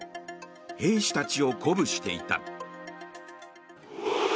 兵士たちを鼓舞していた。